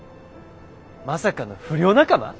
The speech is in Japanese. まさかの不良仲間？